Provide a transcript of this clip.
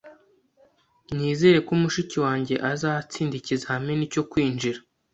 Nizere ko mushiki wanjye azatsinda ikizamini cyo kwinjira